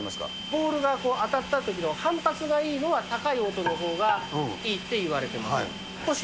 ボールが当たったときの反発がいいのが高い音のほうがいいっていわれてます。